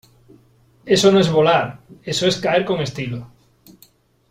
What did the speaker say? Eso no es volar . Eso es caer con estilo .